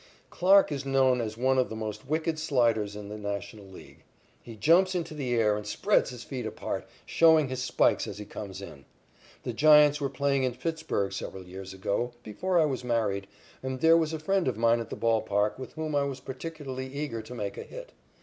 Clarke is known as one of the most wicked sliders in the National League. He jumps into the air and spreads his feet apart, showing his spikes as he comes in. The Giants were playing in Pittsburg several years ago, before I was married, and there was a friend of mine at the ball park with whom I was particularly eager to make a hit.